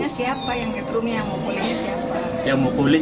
yang ditrumnya siapa yang memukulin siapa